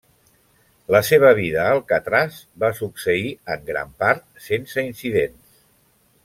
La seva vida a Alcatraz va succeir, en gran part, sense incidents.